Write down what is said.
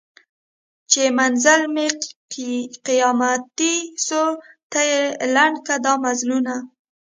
چي منزل مي قیامتي سو ته یې لنډ کي دا مزلونه